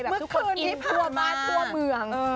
เมื่อคืนพี่พามาตัวเมือง